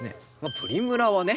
プリムラはね